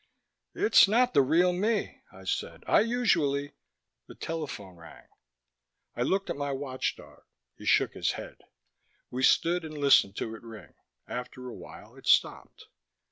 "It's not the real me," I said. "I usually " The telephone rang. I looked at my watchdog. He shook his head. We stood and listened to it ring. After a while it stopped.